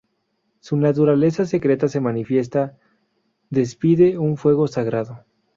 Su naturaleza secreta se manifiesta: despide un fuego sagrado.